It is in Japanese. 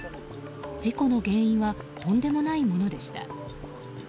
事故の原因はとんでもないものでした。